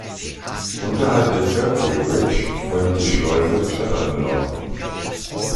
Unterhalb der Chertsey Bridge folgt die Schleuse Shepperton Lock.